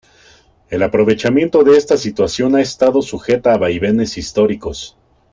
El aprovechamiento de esta situación ha estado sujeta a vaivenes históricos.